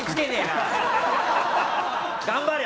頑張れ！